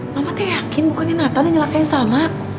mama teh yakin bukannya nathan yang nyalakain salma